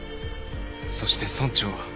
そして村長は。